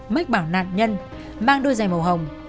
mách bảo nạn nhân mang đôi giày màu hồng